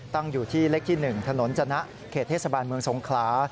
ตั้งอยู่ที่เลขที่๑ถนนจนะเขตเทศบาลเมืองสงขลา